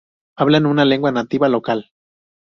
Hablan una lengua nativa local.